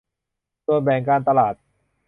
ส่วนแบ่งการตลาด